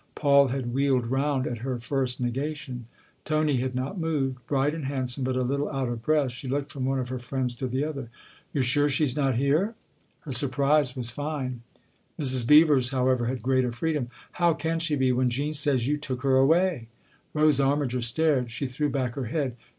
Paul had wheeled round at her first negation ; Tony had not moved. Bright and handsome, but a little out of breath, she looked from one of her friends to the other. " You're sure she's not here ?" Her sur prise was fine. Mrs. Beever's, however, had greater freedom. "How can she be, when Jean says you took her away ?" Rose Armiger stared ; she threw back her head.